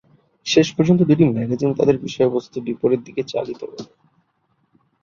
শেষ পর্যন্ত, দুটি ম্যাগাজিন তাদের বিষয়বস্তু বিপরীত দিকে চালিত করে।